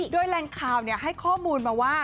ด้วยแรงข่าวนี้ให้ข้อมูลมาว่า